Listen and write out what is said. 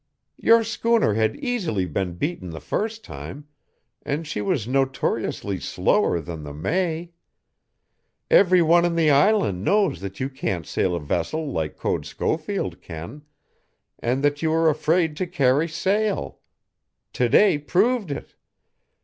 Your schooner had easily been beaten the first time and she was notoriously slower than the May. Every one in the island knows that you can't sail a vessel like Code Schofield can, and that you are afraid to carry sail. To day proved it.